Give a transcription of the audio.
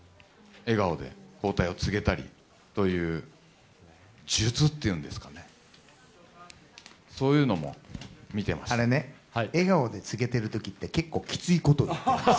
笑顔で交代を告げたりという術っていうんですかね、そういうのもあれね、笑顔で告げてるときって、結構きついことを言っています。